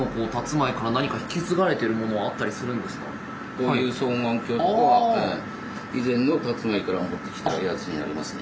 こういう双眼鏡とかは以前のたつまいから持ってきたやつになりますね。